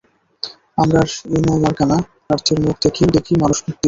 আমরার ইনও মার্কা না, প্রার্থীর মুখ দেখি দেখি মানুষ ভোট দিব।